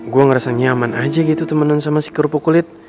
gue ngerasa nyaman aja gitu temenan sama si kerupuk kulit